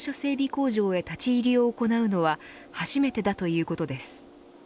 工場へ立ち入りを行うのは初めてだということです。